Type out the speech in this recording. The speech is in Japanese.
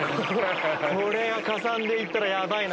これがかさんでいったらヤバいな！